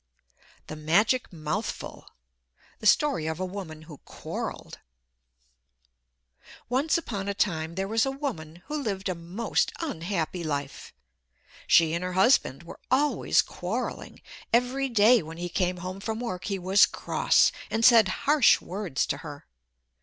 THE MAGIC MOUTHFUL The Story of a Woman Who Quarreled Once upon a time there was a woman who lived a most unhappy life. She and her husband were always quarreling. Every day when he came home from work he was cross, and said harsh words to her.